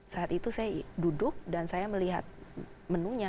saat itu saya duduk dan saya melihat menunya